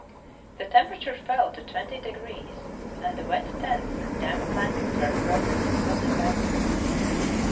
The temperature fell to twenty degrees and the wet tents and damp blankets were frozen in solid masses.